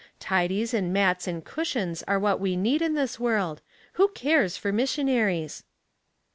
Tidies and mats and cushions are what we need in this world. Who cares for mis sionaries